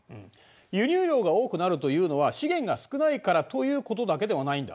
輸入量が多くなるというのは資源が少ないからということだけではないんだ。